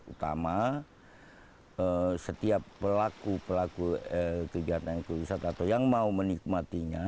utama setiap pelaku pelaku kegiatan ekowisata atau yang mau menikmatinya